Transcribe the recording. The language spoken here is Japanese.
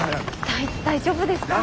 大丈夫ですか？